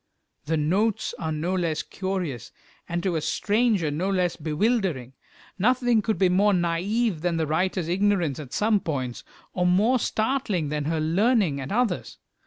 The notes are no less curious, and to a stranger no less bewildering. Nothing could be more naïve than the writer's ignorance at some points, or more startling than her learning at others.